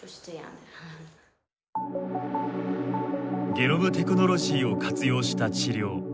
ゲノムテクノロジーを活用した治療。